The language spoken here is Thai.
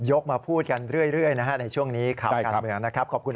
มาพูดกันเรื่อยนะฮะในช่วงนี้ข่าวการเมืองนะครับขอบคุณ